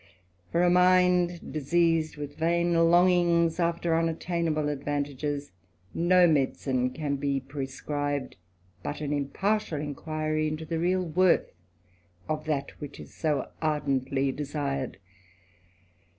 For a mind diseased with vain longings after unattainabl ^^^ advantages, no medicine can be prescribed, but an impartial^^ inquiry into the real worth of that which is so ardentl] desired.